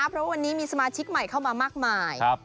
เพราะวันนี้มีสมาชิกใหม่เข้ามามากมาย